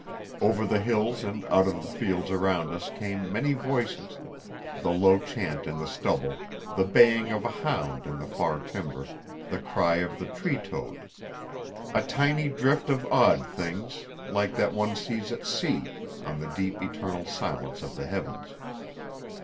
Over the hills and out of the fields around us came many voices the low chant in the stubble, the baying of a hound in the far timber, the cry of the tree toad a tiny drift of odd things (like that one sees at sea) on the deep eternal silence of the heavens.